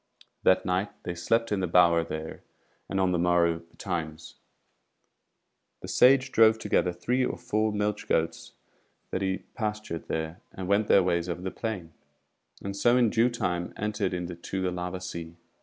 That night they slept in the bower there, and on the morrow betimes, the Sage drove together three or four milch goats that he pastured there, and went their ways over the plain, and so in due time entered into the lava sea.